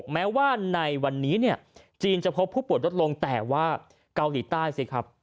แม้ว่าในวันนี้เนี่ยจีนจะพบผู้ป่วยลดลงแต่ว่าเกาหลีใต้สิครับ